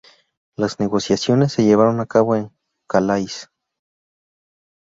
Las negociaciones se llevaron a cabo en Calais.